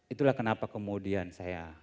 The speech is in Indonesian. itulah kenapa kemudian saya lebih banyak mendulis